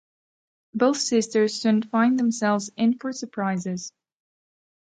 Both sisters soon find themselves in for surprises.